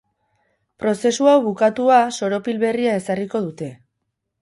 Prozesu hau bukatua soropil berria ezarriko dute.